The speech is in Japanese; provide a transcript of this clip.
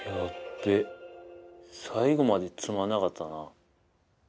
べえ最後までつまんなかったな。